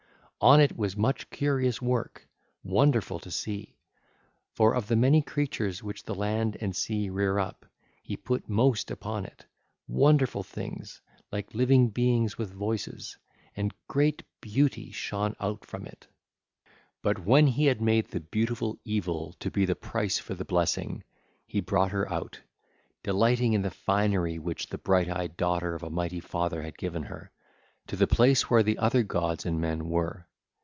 On it was much curious work, wonderful to see; for of the many creatures which the land and sea rear up, he put most upon it, wonderful things, like living beings with voices: and great beauty shone out from it. (ll. 585 589) But when he had made the beautiful evil to be the price for the blessing, he brought her out, delighting in the finery which the bright eyed daughter of a mighty father had given her, to the place where the other gods and men were.